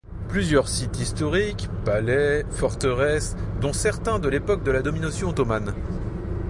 Plusieurs sites historiques, palais, forteresses, dont certains de l'époque de la domination ottomane,